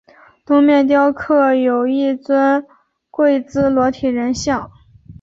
东面雕刻有一尊跪姿裸体人像。